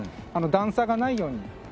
段差がないように。